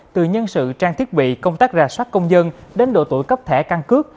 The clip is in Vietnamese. từ nhân sự trang thiết bị công tác rà soát công dân đến độ tuổi cấp thẻ căn cước